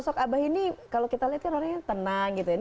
sosok abah ini kalau kita lihat kan orangnya tenang gitu ya